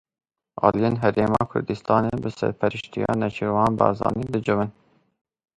Aliyên Herêma Kurdistanê bi serpereştiya Nêçîrvan Barzanî dicivin.